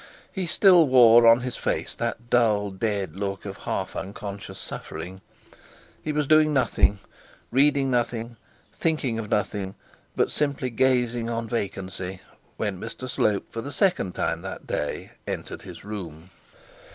He still wore on his face that dull dead look of half unconscious suffering. He was doing nothing, reading nothing, thinking of nothing, but simply gazing on vacancy when Mr Slope for the second time that day entered his room.